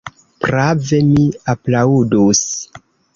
Prave, mi aplaŭdus.